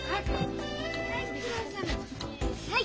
はい！